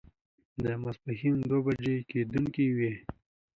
د ماسپښين دوه بجې کېدونکې وې.